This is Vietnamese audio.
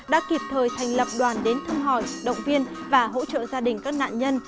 đã kịp thời thành lập đoàn đến thăm hỏi động viên và hỗ trợ gia đình các nạn nhân